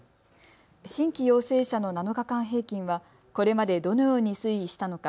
新規陽性者の７日間平均はこれまでどのように推移したのか